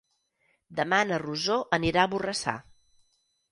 Demà na Rosó anirà a Borrassà.